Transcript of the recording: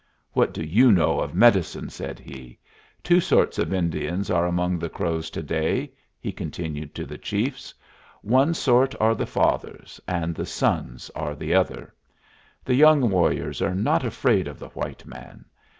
"What do you know of medicine?" said he. "Two sorts of Indians are among the Crows to day," he continued to the chiefs. "One sort are the fathers, and the sons are the other. The young warriors are not afraid of the white man.